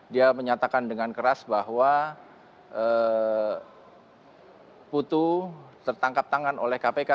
dia menyatakan dengan keras bahwa putu tertangkap tangan oleh kpk